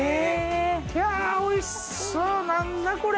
いやおいしそう何だこれ！